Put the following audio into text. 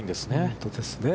本当ですね。